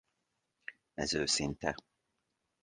Ez őszinte.